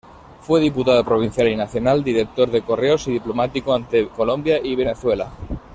Fue diputado provincial y nacional, director de Correos y diplomático ante Colombia y Venezuela.